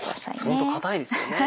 ホント硬いですよね。